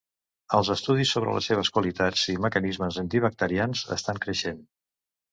Els estudis sobre les seves qualitats i mecanismes antibacterians estan creixent.